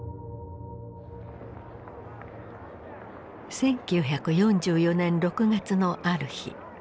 １９４４年６月のある日。